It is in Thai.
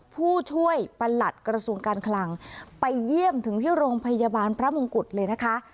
ผู้ช่วยประหลัดกระทรวงการคลังไปเยี่ยมถึงที่โรงพยาบาลพระมงกุฎเลยนะคะ